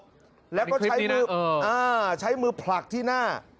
อำถีช่วยนี้นะแล้วก็ใช้มืออ่าใช้มือผลักที่หน้า